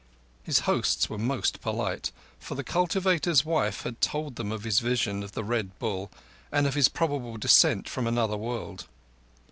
His hosts were most polite; for the cultivator's wife had told them of his vision of the Red Bull, and of his probable descent from another world.